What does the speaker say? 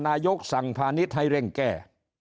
นายกสั่งพาณิชย์ให้เร่งแก้